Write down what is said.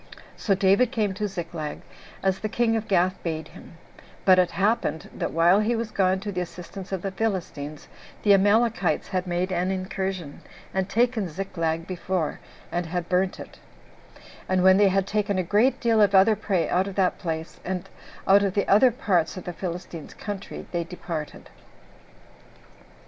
So David came to Ziklag, as the king of Gath bade him; but it happened, that while he was gone to the assistance of the Philistines, the Amalekites had made an incursion, and taken Ziklag before, and had burnt it; and when they had taken a great deal of other prey out of that place, and out of the other parts of the Philistines' country, they departed.